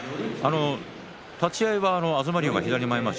立ち合いは東龍が左前まわし